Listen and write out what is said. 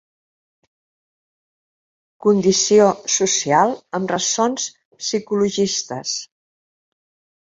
Condició social amb ressons psicologistes.